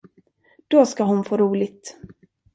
Då skall hon få roligt!